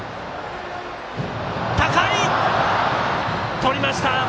とりました！